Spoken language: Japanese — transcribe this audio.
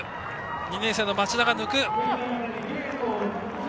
２年生の町田が抜く！